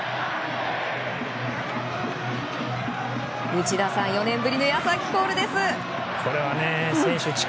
内田さん、４年ぶりヤスアキコールです。